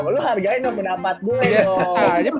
lu hargain dong pendapat gue dong